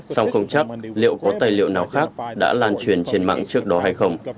song không chắc liệu có tài liệu nào khác đã lan truyền trên mạng trước đó hay không